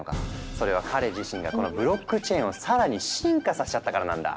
それは彼自身がこのブロックチェーンを更に進化させちゃったからなんだ。